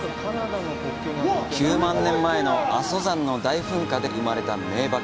９万年前の阿蘇山の大噴火で生まれた名瀑。